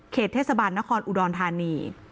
เทศบาลนครอุดรธานี